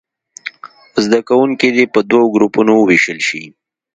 زده کوونکي دې په دوو ګروپونو ووېشل شي.